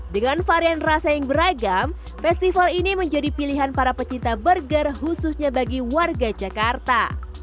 dengan varian rasa yang beragam festival ini menjadi pilihan para pecinta burger khususnya bagi warga jakarta